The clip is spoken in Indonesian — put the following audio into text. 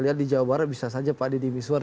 lihat di jawa barat bisa saja pak deddy miswar